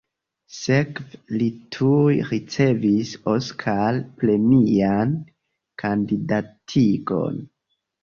Sekve li tuj ricevis Oskar-premian kandidatigon.